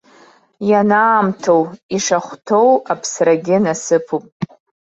Ианаамҭоу, ишахәҭоу аԥсрагьы насыԥуп.